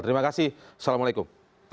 terima kasih assalamualaikum